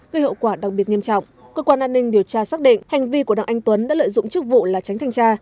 gây hậu quả đặc biệt nghiêm trọng cơ quan an ninh điều tra xác định hành vi của đặng anh tuấn đã lợi dụng chức vụ là tránh thanh tra